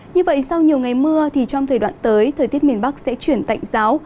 như vậy sau nhiều ngày mưa thì trong thời đoạn tới thời tiết miền bắc sẽ chuyển tạnh giáo